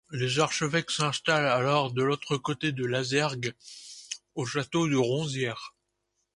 Les archevêques s'installent alors de l'autre côté de l'Azergues, au château de Ronzière.